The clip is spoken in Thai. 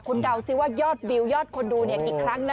คุณเดาซิว่ายอดวิวยอดคนดูกี่ครั้งนะ